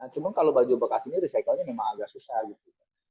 cuma kalau baju bekas ini recycle nya memang agak susah gitu